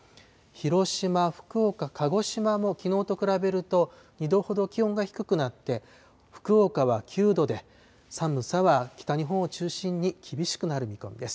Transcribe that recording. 広島、福岡、鹿児島もきのうと比べると、２度ほど気温が低くなって、福岡は９度で、寒さは北日本を中心に厳しくなる見込みです。